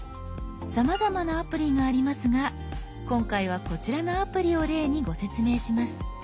さまざまなアプリがありますが今回はこちらのアプリを例にご説明します。